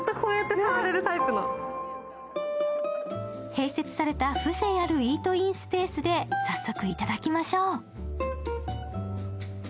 併設された風情あるイートインスペースで早速頂きましょう。